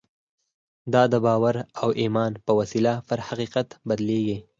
دا د باور او ایمان په وسیله پر حقیقت بدلېږي